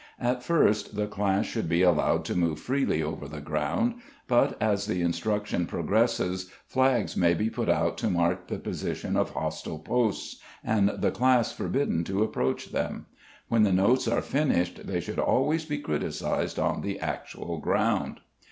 At first the class should be allowed to move freely over the ground; but, as the instruction progresses, flags may be put out to mark the position of hostile posts and the class forbidden to approach them. When the notes are finished they should always be criticised on the actual ground.